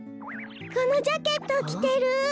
このジャケットをきてる！